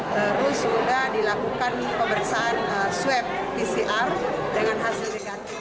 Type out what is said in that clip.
terus sudah dilakukan pemeriksaan swab pcr dengan hasil negatif